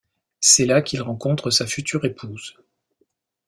C'est là qu'il rencontre sa future épouse.